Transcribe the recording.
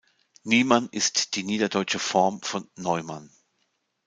Niemann ist die niederdeutsche Form von Neumann.